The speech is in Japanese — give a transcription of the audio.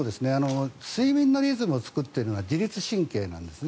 睡眠のリズムを作ってるのは自律神経なんですね。